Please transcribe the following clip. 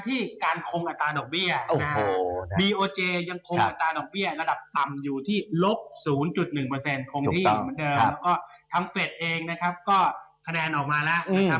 อีกครั้งหนึ่งของสหรัฐเนี่ยเดือนธันวาคมเลย